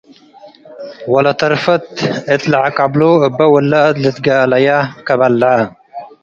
ወለተርፈት እት ለዐቀብሎ እበ ወላድ ልትጋለየ ከበልዐ ።